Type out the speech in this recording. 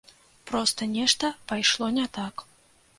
Проста нешта пайшло не так.